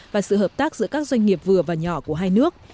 và sự hợp tác giữa các doanh nghiệp vừa và nhỏ của hai nước